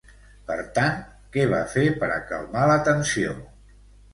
Per tant, què va fer per a calmar la tensió?